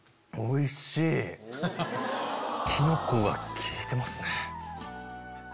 キノコがきいてますね。